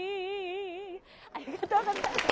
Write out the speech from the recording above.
ありがとうございます。